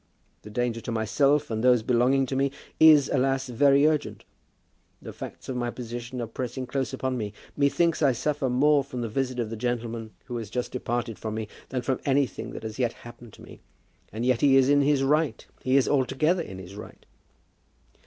The danger to myself and those belonging to me is, alas, very urgent. The facts of my position are pressing close upon me. Methinks I suffer more from the visit of the gentleman who has just departed from me than from anything that has yet happened to me. And yet he is in his right; he is altogether in his right."